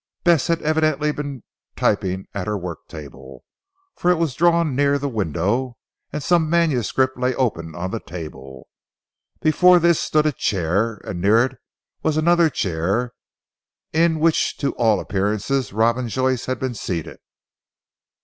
Bess had evidently been typing at her worktable, for it was drawn near the window, and some manuscript lay open on the table. Before this stood a chair, and near it was another chair in which to all appearances Robin Joyce had been seated.